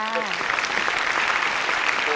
โอ้โฮ